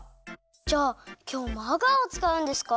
じゃあきょうもアガーをつかうんですか？